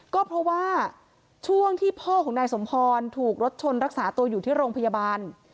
ก็เพราะว่าช่วงที่พ่อของนายสมพรถูกรถชนรักษาตัวอยู่ที่โรงพยาบาล